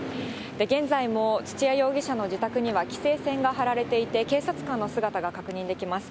現在も土屋容疑者の自宅には規制線が張られていて、警察官の姿が確認できます。